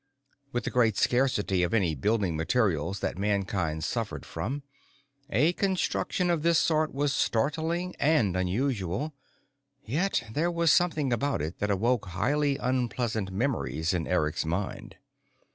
With the great scarcity of any building materials that Mankind suffered from, a construction of this sort was startling and unusual, yet there was something about it that awoke highly unpleasant memories in Eric's mind.